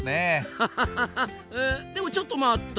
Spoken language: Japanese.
アハハハでもちょっと待った。